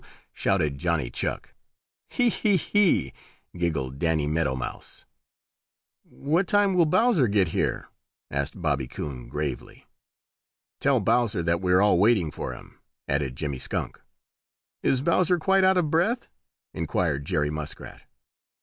shouted Johnny Chuck. "Hee! hee! hee!" giggled Danny Meadow Mouse. "What time will Bowser get here?" asked Bobby Coon, gravely. "Tell Bowser that we are all waiting for him," added Jimmy Skunk. "Is Bowser quite out of breath?" inquired Jerry Muskrat.